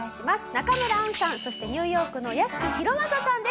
中村アンさんそしてニューヨークの屋敷裕政さんです。